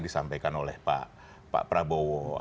disampaikan oleh pak prabowo